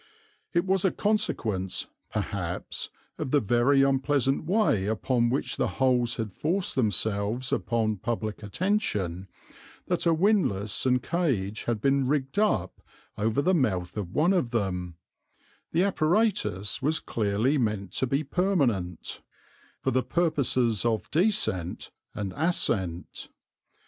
It was a consequence, perhaps, of the very unpleasant way upon which the holes had forced themselves upon public attention that a windlass and cage had been rigged up over the mouth of one of them the apparatus was clearly meant to be permanent for the purposes of descent and ascent.